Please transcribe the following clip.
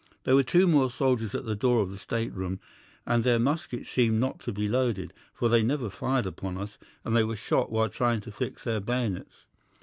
There were two more soldiers at the door of the state room, and their muskets seemed not to be loaded, for they never fired upon us, and they were shot while trying to fix their bayonets.